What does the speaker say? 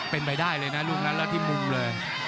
เป็นไปได้เลยนะลูกนั้นแล้วที่มุมเลย